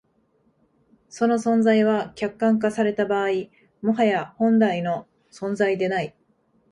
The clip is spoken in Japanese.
その存在は、客観化された場合、もはや本来の存在でない。